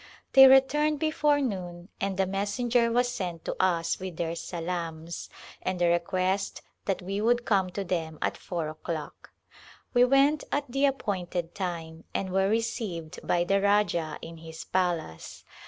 They returned before noon and a messenger was sent to us with their salams and a request that we would come to them at four o'clock. We went at the appointed time and were received by the Rajah in his palace.